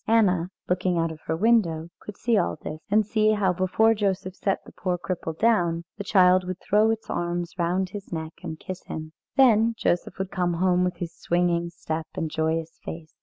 Anna, looking out of her window, could see all this; and see how before Joseph set the poor cripple down, the child would throw its arms round his neck and kiss him. Then Joseph would come home with his swinging step and joyous face.